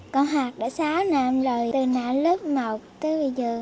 con hạc đã sáu năm rồi từ nãy lớp một tới bây giờ